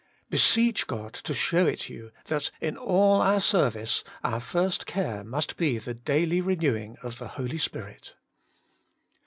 Beseech God to show it you, that in all our serv ice our first care must be the daily renewing of the Holy Spirit.